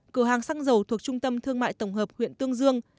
cửa hàng xăng dầu thuộc trung tâm thương mại tổng hợp huyện tương dương